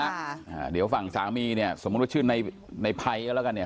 อ่าเดี๋ยวฝั่งสามีเนี่ยสมมุติว่าชื่อในในภัยก็แล้วกันเนี่ย